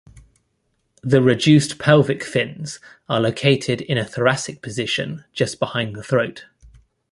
The reduced pelvic fins are located in a thoracic position, just behind the throat.